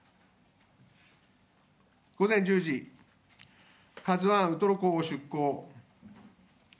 午前１０時「ＫＡＺＵⅠ」ウトロ港を出港。